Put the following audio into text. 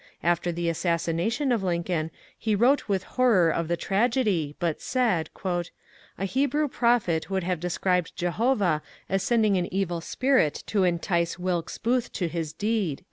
After the assassination of Lincoln he wrote with horror of the tragedy, but said :*^ A Hebrew prophet would have described Jehovah as sending an evil spirit to entice Wilkes Booth to his deed."